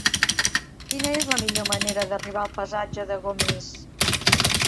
Quina és la millor manera d'arribar al passatge de Gomis?